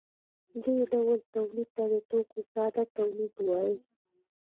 دې ډول تولید ته د توکو ساده تولید وايي.